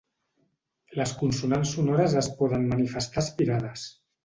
Les consonants sonores es poden manifestar aspirades.